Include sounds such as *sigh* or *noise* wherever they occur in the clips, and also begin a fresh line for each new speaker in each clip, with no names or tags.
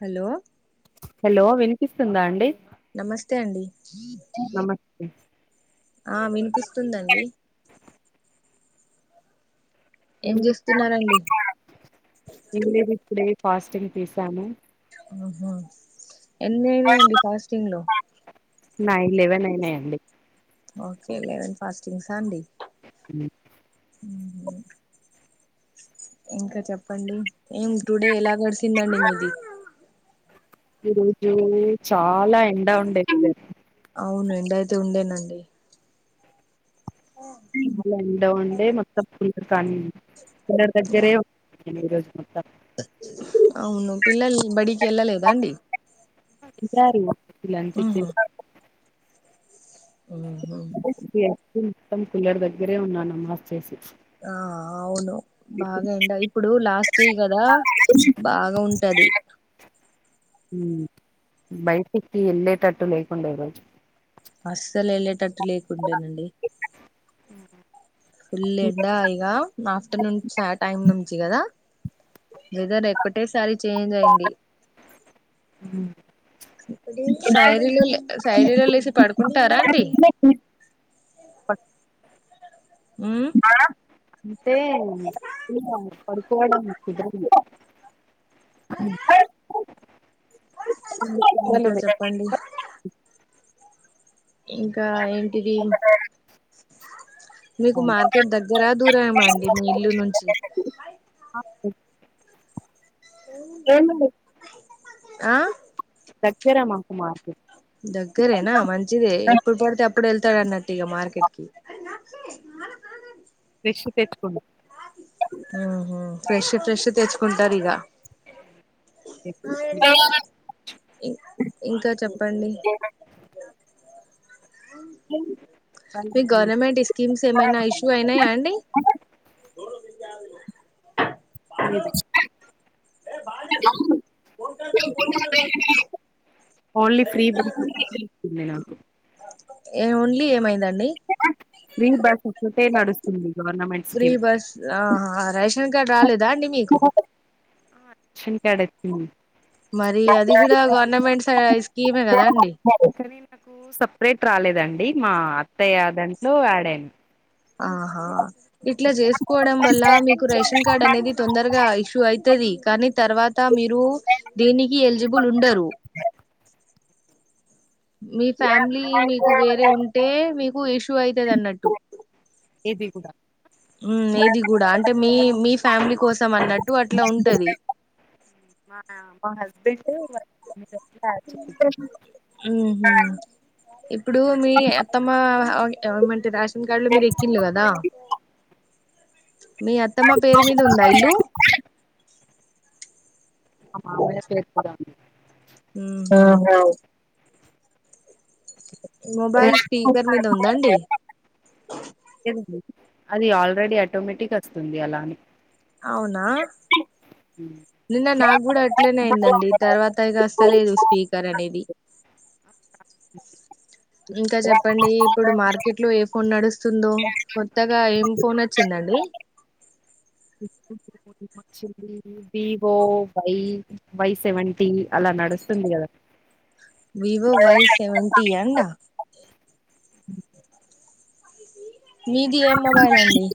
Hello
hello వినిపిస్తుందా అండి
నమస్తే అండి
నమస్తే
ఆ వినిపిస్తుందండి
*inaudible*
ఏం చేస్తున్నారండి
ఏం లేదు ఇప్పుడే ఫాస్టింగ్ తీశాను
ఊహూ ఎన్లేమయ్యింది ఫాస్టింగ్ లో
నయ్ లెవెన్ అయినా అండి
ఓకే లెవెన్ ఫాస్టింగ్సా అండి
*inaudible*
ఊ ఇంకా చెప్పండి ఏం టుడే ఎలా గడిసిందండి మీది
ఈ రోజు చాలా ఎండ ఉండే
అవును అండి అయితే ఉండేనండి
ఎండ ఉండే మొత్తం ఫు కాన్ కలడ తగ్జ రే ఈ రోజు మొత్తం
అవును పిల్లలు బడికి వెళ్ళలేదా అండి
ఇరారి పిలాన్ చిచ్చే
ఉహు ఉహు
యతిన్ మొత్తం కుల్లర్ దగ్గరే ఉన్నానమ్మా ఆఫ్ చేసి
ఆ అవును బాగా ఎండ ఇప్పుడు లాస్ట్ కదా బాగా ఉంటది
ఉ బైటికి ఏళ్ళే తట్టు లేకుండవా
అస్సలు ఏళ్ళే తట్టు లేకుండే నండి ఫుల్ ఎండా ఇగ ఆఫ్టర్నూన్ టైమ్ ఉ చ్చి గదా వెదర్ ఎక్కటేసారి చేంజ్ అయింది శైరలో శైరీలో లేసి పడుకుంటారా అండి ఉమ్
ఆ ఏ ఒక కోడుముట్టిదన్ *unintelligible*
ఇంకా
వెలువే
చెప్పండి ఇంకా ఏంటిది మీకు మార్కెట్ దగ్గర దురమా అండి మీ ఇల్లు నుంచి
ఓ ఏమండి
ఆ
దగ్గర మాకు మార్కెట్
దగ్గరైనా మంచిదే ఎప్పుడూ పడితే అప్ ప్పుడు వెళతాన్నాడు ఇగ మార్కెట్కి ఛీ నాలో కనత్
ఇషి తెచ్చుకోండి
కొంటారు ఇగ ఇంకా చెప్పండి మీ గవర్నమెంట్ ఇస్కీమ్స్ ఏమైనా ఇష్యూ అయినయా ఆండీ జవుల్ల
*inaudible* *inaudible* ఓన్లీ ఫ్రీ బ *unintelligible* నాకు
ఏ ఓన్లీ ఏమైందా
మీ బస్ ఇచ్చ అంటే నడుస్తుంది గవర్నమెంట్
ఫ్రీ
స్కీమ్
బస్ ఆహా రేషన్ ఇంకా రాలేదా అండి మీకు
ఆ క్షన్ కాడ్ చ్చున్
మరి అది కూడా గవర్నమెంట్ స స్కీమే కదా అండి
కానీ నాకు సపరేట్ రాలేదండి మా అత్తయ్య దాంట్లో యాడ్ అయాన్
ఆహా ఇట్ల చేసుకోవడం వల్ల మీకు రేషన్ కార్డ్ అనేది, తొందరగా ఇష్యూ అయితది కానీ. తర్వాత మీరు దీనికి ఎలిజిబుల్ ఉండరు మీ ఫ్యామిలీ మీకు వేరే ఉంటే మీ కు ఇష్యూ అయితది అన్నట్టు
ఇది కూడా
ఉమ్ ఇది కూడా అంటే మీ మ్ మీ ఫ్యామిలీ కోసం అన్నట్ టు అట్లా ఉంటది
మా మా హస్బెండ్ మా
హు హుమ్ ఇప్పుడు మీ అత్తమ్మ ఎవరి మంట్ రాశ్ ఇంకాళ్ళు మీరు ఎక్కిల్లు కదా మీ అత్తమ్మ పేరు మీద ఉందా ఇల్లు
మా మామయ్య పేరు మీద ఉంది
హు హూ మొబైల్ స్పీకర్ మీద ఉందా అండి
లేదండి అది ఆల్రెడీ ఆటోమెటిక్ వస్తుంది అలా
అవునా నిన్న నాకు గుడా అట్లనే అయిందండి తర్వాత ఇగ అస్తలేదు స్పీకర్ అనేది ఇంకా చెప్పండి ఇప్పుడు మార్కెట్ లో ఏ ఫోన్ నడుస్తుంది దో కొత్తగా ఏం ఫోన్ వచ్చిందండి
వివో వై వై సెవెంటీ అలా నడుస్తుంది కదా
వివో వై సెవెంటీ అండా మీది ఏం మొబైల్ అండి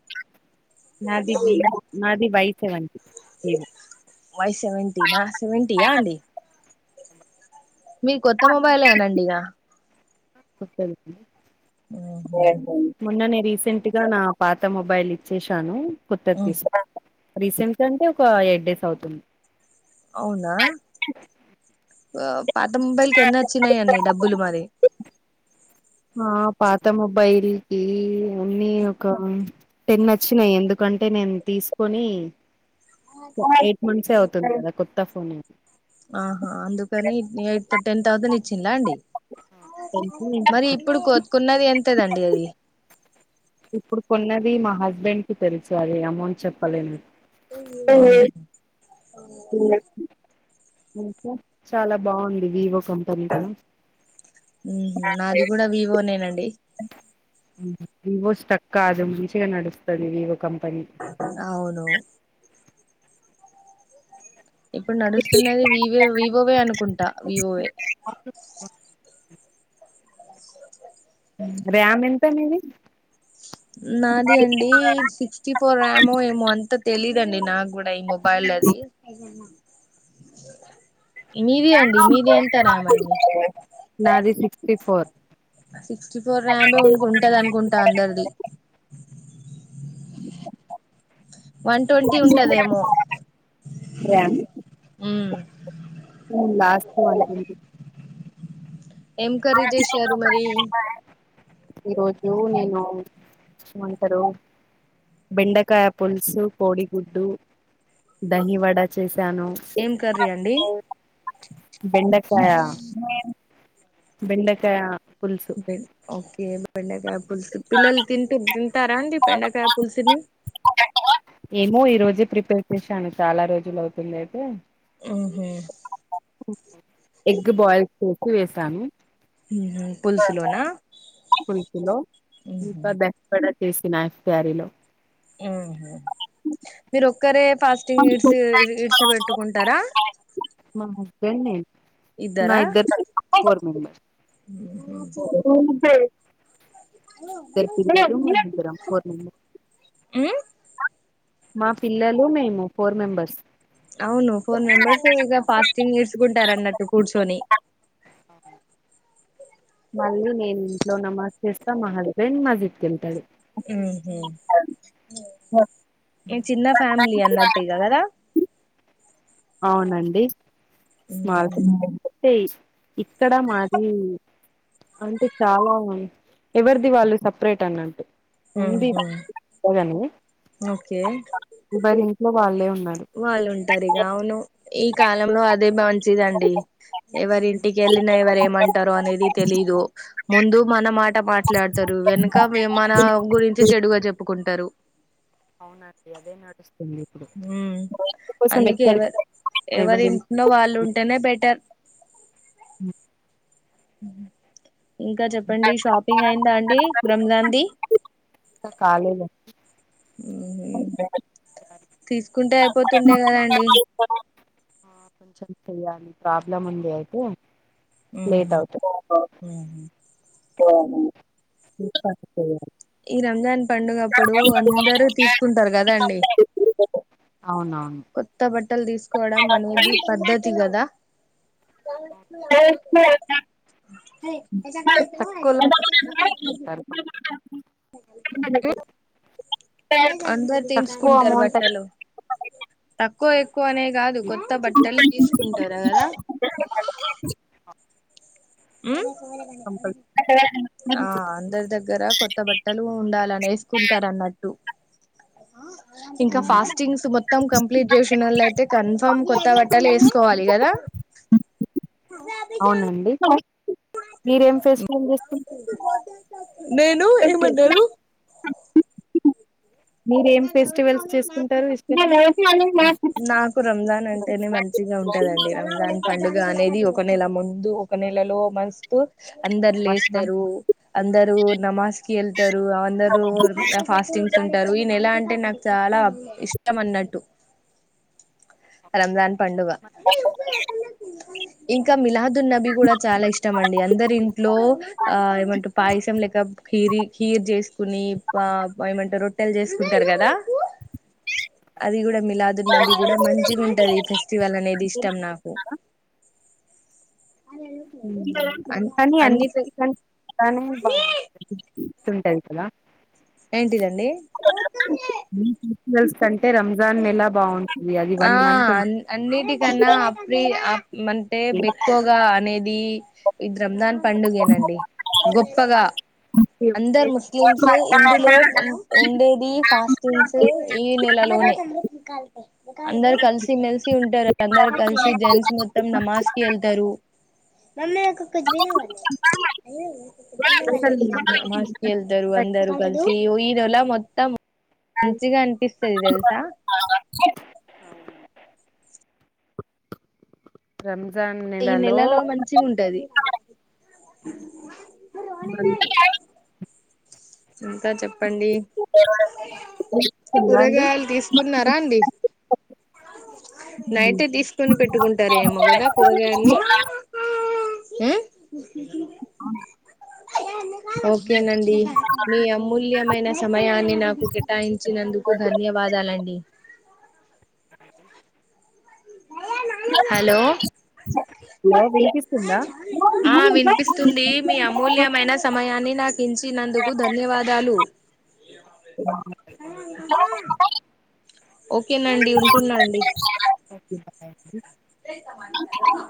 అది వై సెవెంటీ వివో
వై సెవెంటినా సెవెంటియా అండి మీ కొత్త మొబైలేనండి ఇగ
కొత్తది మొన్ననే రీసెంట్ గా నా పాత మొబైల్ ఇచ్చేశాను కుత్త తీ స రీసెంట్గా అంటే ఒక ఎయిట్ డేస్ అవుతుంది
అవునా పతంబైలు ఎన్నోచ్చినై అనే డబ్బులు మరి
ఆ పాత మొబైల్కి, అన్నీ ఒక టెన్ వచ్చినాయి ఎందుకంటే నేను తీసుకొని ఎయిట్ మంత్స్ హె అవుతది కదా కొ టఫ్ ఉం
ఆహా అందుకని ఎయిట్ టెన్ థౌసండ్ ఇచ్చిందిలా అండి మ
టెన్
మరి ఇప్పుడు కోతుకున్నది ఎంతదండి అది
ఇప్పుడు కొన్నది మా హస్బెండ్ కి తెలుసు అది అమౌంట్ చెప్పలేని
ఆ
చాలా బాగుంది వివ
మ్ నాది కూడా వివోనే నం
వివో స్టక్ కాదేమో మంచిగా నడుస్తాది వివో కంపెనీ
అవును ఇప్పుడు నడుస్తున్నది వివే వివోవే అనుకుంటా వివోవే
ర్యామ్ ఎంత మీది
నాది అండి సిక్స్టీ ఫోర్ ర్యామ్ ఏమో అంత తెలీదండి, నాకు కూడా ఈ మొబైల్ అది మీది అండి మీది ఎంత ర్యామ్ అండి
నాది సిక్స్టీ ఫోర్
సిక్స్టీ ఫోర్ ర్యామే ఉ ఉంటది అనుకుంటా అందరిది వన్ ట్వంటీ ఉంటదేమో
ర్యామ్ లాస్ట్ అనుకుంట
ఏం కర్రీ చేసారు మరీ
ఈరోజు నేను ఏమంటారు బెండకాయ పుల్స్ కోడిగుడ్డు దహి వడ చేసి
ఏం కర్రీ అండి
బెండకాయ బెండకాయ పులుసు
బెడ్ ఓకే *unintelligible* బెండకాయ పుల్సు పిల్లలు తింటు తింటారా అండి బెండకాయ పుల్సుని
ఏమో ఈ రోజే ప్రిపేర్ చేశాను చాలా రోజులవుతుంది అయితే
*unintelligible*
ఎగ్ బాయిల్ చేసి వేసాను
పులుసులోనా
పులుసులో ఇంకా దహి వడ చేసిన ప్యారీలో
ఊహూ మీరొక్కరే ఫాస్టింగ్ ఇడ్స్ ఇడ్సబెట్టుకుంటారా
మా హస్బెండ్ నేను నా
ఇద్దారా
ఇద్దరు కలిపి ఫోర్ మెంబర్స్ ఊ *unintelligible*
మ్మ్
మా పిల్లలు మేము ఫోర్ మెంబర్స్
అవును ఫోర్ మెంబెర్స్ ఇగ ఫాస్టింగ్ చేసుకుంటారన్నట్టు కూర్చొని
మళ్ళీ నేను ఇంట్లో నమాజ్ చేస్తా మా హస్బెండ్ మజీద్ కెళ్తాడు
మ్ హూ ఇగ చిన్న ఫ్యామిలీ అన్నట్టే కద
అవునండి స్మాల్
ఉహు
టే ఇక్కడ మాది అంటే చాలా ఎవరిది వాళ్ళు సపరేట్ అన్నట్టు ఉంది
ఉహు ఓకే
*unintelligible* లో వాళ్ళే ఉన్
వాళ్ళు ఉంటారు ఇగ అవును ఈ కాలంలో అదే మంచిదండి ఎవరి ఇంటికెళ్ళినా ఎవరు ఏమంటారో అనేది తెలీదు ముందు మన మా ట మాట్లాడతారు వెనుక మన గురించి చెడుగా చెప్పుకుం టరు
అవునండీ అదే నడుస్
హ్మ్మ్ అందుకే
ఎక్కడికి
ఎవరు
ఎవరి
ఎవరింట్లో వాళ్ళు ఉంటేనే బెటర్ *inaudible* ఇంకా చెప్పండి షాపింగ్ అయిందా అండి రంజాన్ ది.
కాలేదు
అ *unintelligible* తీసుకుంటే అయిపోతుండే కదాండి.
ఆ, కొంచెం చెయ్యాలి ప్రాబ్లమ్ ఉంది. అయితే లేట్
ఉహు
అవుతూ
ఉహు
ఇ *unintelligible*
ఈ రంజాన్ పండుగ ఇప్పుడూ అందరూ తీసుకుంటారు కదా అండి.
అవునవును
కొత్త బట్టలు తీసుకోవడం అనేది పద్ధతి కదా. *unintelligible* హెయ్ నిజంగానే తిను మరి.
తక్కువలో తారు *unintelligible*
అందరు
తక్కువ
తీసుకుంటారు.
అమౌంట్
బట్టలు త కో తక్కువ అనే కాదు. కొత్త బట్టలు తీసుకుంటారా కదా. మ్
కంపల్
ఆ
అది
అందరి దగ్గర కొత్త బట్టలు ఉండాలని వేసుకుంటారు అన్నట్టు. ఆ ఇంకా ఫాస్టింగ్స్ మొత్తం కంప్లీట్ చేసినోళ్లయితే, అయితే కన్ఫామ్ కొత్త బట్టాలు వేసుకోవాలి కదా.
అవునండి *unintelligible* మీరేం ఫెస్టివల్ చేసుకు
*unintelligible* నేను ఇ మండలు
మీరేం ఫెస్టివల్స్ చేసుకుంటారు ఇష్టంగా వస్తున్నాం.
*unintelligible* నాకు రంజాన్ అంటేనే మంచిగా ఉంటదండి. రంజాన్ పండుగ అనేది ఒక ఒక నెల ముందు ఒక నెలలో మస్తు అందరు లేస్తారు. అందరూ నమాజ్ కి వెళ్తారు. అందరూ ఫాస్టింగ్స్ ఉంటారు. నేను ఎలా అంటే నాకు చాలా ఇష్టం అన్నట్టు. రంజాన్ పండుగ *unintelligible* ఇంకా మీలాద్. న్నవి కూడా చాలా ఇష్టం అండి. అందరి ఇంట్లో ఆ ఏమంటరు పాయసం లేక ఖీరీ ఖీర్ చేసుకొని బా ఏమంటరు స్ రొట్టెల్ చే కుంటారు కదా అది కూడా మిలాదున్నబీ కూడా మంచిగా ఉంటది. ఈ ఫెస్టివల్ అనేది ఇష్టం నాకు.
*unintelligible*
అన్
కానీ
అన్నిటి
అన్నిన బానే బాగుంటుంది. ఉంటాయితలా
ఏంటి ఇదండి
స
ఆ
మంత్ ఉంటుంది
అన్నిటికన్నా అప్రి మంతే ఎక్కువగా అనేది ఇద్ రంజాన్ పండుగేనండి గొప్పగా అందరు ముస్లిమ్స్ హిందువులు ఉండేది ఫాస్టీన్స్ ఈ నెలలోనే అందరు కలిసి మెలిసి ఉంటారు. అందరు కలిసి జెంట్స్ మొత్తం నమాజ్ కి వెళ్తారు. మమ్మ కుజబనా వాా అ కునా వాా
అసలు
నమజ్కి వెళ్తరు అందరు కల్సి య్యో ఇదోలా మొత్తం మంచిగా అనిపిస్తది తెలుసా
రం
ఈ నెలలో మంచిగ ఉంటది
బ
ఎంత చెప్ప చెప్పండి
తిన్నా అండి
కూరగాయలు తీసుకున్నారా అండి.
ఉ
నైట్ తీసుకొని పెట్టుకుంటారేమో, కదా కూరగాయలని. ఊ
ఆ
ఓకేనండి మీ అమూల్యమైన
హలో
సమయాన్ని నాకు కేటాయించినందుకు ధన్యవాదాలండి
అ
హలో
వినిపిస్తుందా
ఆ
ఓకే బాయ్
వినిపిస్తుంది. మీ అమూల్యమైన సమయాన్ని నాకు పిలిచినందుకు ధన్యవాదాలు ఓకేనండి. ఉంటున్నా అండి.
థాంకు
రాతమాతారు